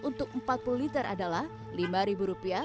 untuk empat puluh liter adalah rp lima